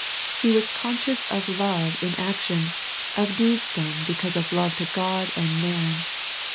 He was con scious of love in action, of deeds done because of love to God and man.